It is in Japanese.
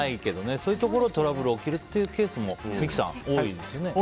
そういうところでトラブルが起きるケースも多いですね。